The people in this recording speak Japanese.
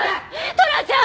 トラちゃん！